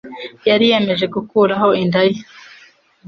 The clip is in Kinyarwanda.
yariyemeje gukuraho inda ye.